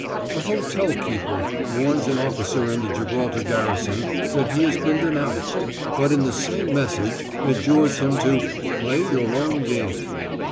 A hotel keeper warns an officer in the Gibraltar garrison that he has been denounced, but in the same message adjures him to "play your own game."